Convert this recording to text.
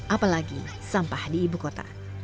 apalagi sampah di ibu kota